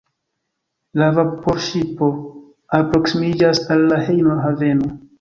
La vaporŝipo alproksimiĝas al la hejma haveno.